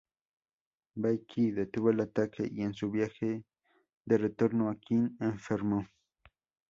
Bai Qi detuvo el ataque y en su viaje de retorno a Qin, enfermó.